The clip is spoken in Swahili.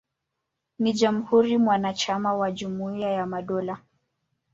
Ni jamhuri mwanachama wa Jumuiya ya Madola.